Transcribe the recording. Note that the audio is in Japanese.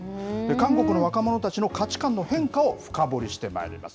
韓国の若者たちの価値観の変化を深掘りしてまいります。